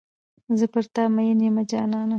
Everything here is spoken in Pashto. زه پر تا میین یمه جانانه.